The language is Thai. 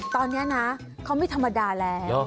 ตอนนี้นะเขาไม่ธรรมดาแล้ว